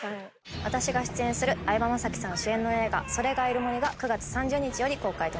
私が出演する相葉雅紀さん主演の映画『”それ”がいる森』が９月３０日より公開となります。